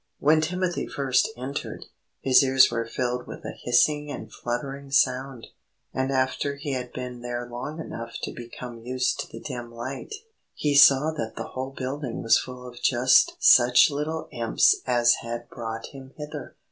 When Timothy first entered, his ears were filled with a hissing and fluttering sound, and after he had been there long enough to become used to the dim light, he saw that the whole building was full of just such little Imps as had brought him hither.